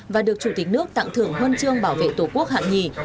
và được chủ tịch nước tặng thưởng huân chương bảo vệ tổ quốc hạng nhì